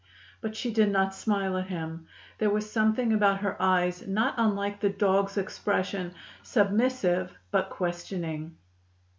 But she did not smile at him. There was something about her eyes not unlike the dog's expression, submissive, but questioning.